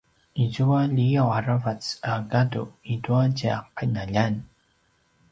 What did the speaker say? izua liyaw a ravac a gadu i tua tja qinaljan